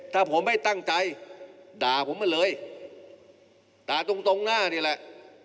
ถ้าผมไม่ตั้งใจด่าผมมาเลยด่าตรงตรงหน้านี่แหละ